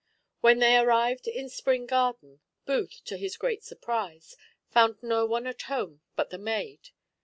When they arrived in Spring garden, Booth, to his great surprize, found no one at home but the maid.